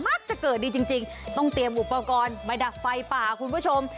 จะเกิดดีจริงต้องเตรียมอุปกรณ์มาดับไฟป่าคุณผู้ชม